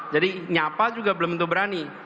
jadi nyapa juga belum tentu berani